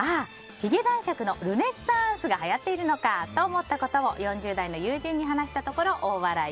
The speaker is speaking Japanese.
髭男爵のルネッサーンスがはやっているのかと思ったことを４０代の友人に話したところ、大笑い。